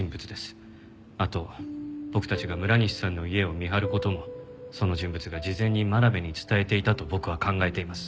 あと僕たちが村西さんの家を見張る事もその人物が事前に真鍋に伝えていたと僕は考えています。